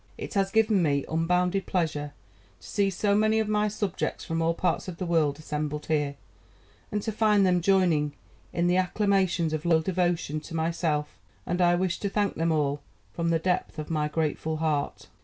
It has given me unbounded pleasure to see so many of my subjects from all parts of the world assembled here, and to find them joining in the acclamations of loyal devotion to myself, and I wish to thank them all from the depth of my grateful heart."